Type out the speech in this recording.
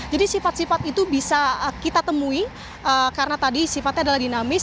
jadi sifat sifat itu bisa kita temui karena tadi sifatnya adalah dinamis